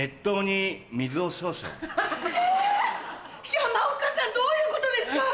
山岡さんどういうことですか？